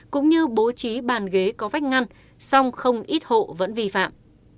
cũng như bố trí bàn ghế có vách ngăn song không ít hộ vẫn vi phạm